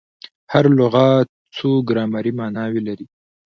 هر لغت څو ګرامري ماناوي لري.